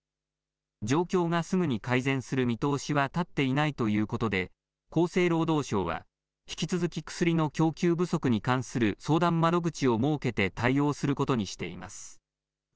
状況がすぐに改善する見通しは立っていないということで、厚生労働省は、引き続き薬の供給不足に関する相談窓口を設けて対応することにしています。